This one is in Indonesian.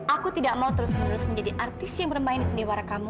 aku tidak mau terus menerus menjadi artis yang bermain di seniwara kamu